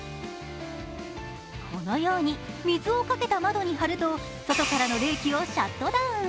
このように水をかけた窓に貼ると、外からの冷気をシャットダウン。